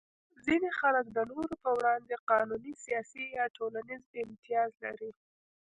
ځینې خلک د نورو په وړاندې قانوني، سیاسي یا ټولنیز امتیاز لري.